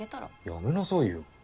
やめなさいよ